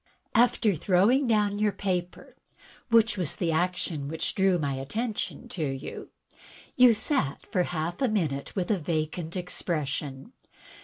After throwing down your paper, which was the action which drew my attention to you, you sat for half a minute with a vacant expression.